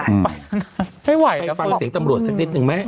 ไม่ไหวไปฟังเสียงตำรวจสักนิดนึงไหม